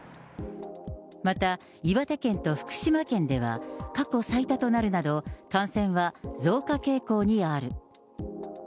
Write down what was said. また岩手県と福島県では、過去最多となるなど、感染は増加傾向にある。